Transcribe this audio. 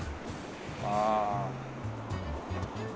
ああ。